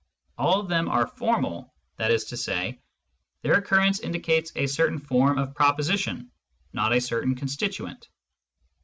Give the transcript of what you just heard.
All of them are formal^ that is to say, their occurrence indicates a certain form of proposition, not a certain constituent.